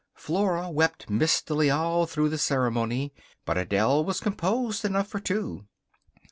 Flora wept mistily all through the ceremony, but Adele was composed enough for two.